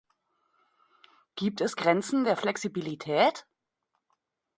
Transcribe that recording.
Gibt es Grenzen der Flexibilität?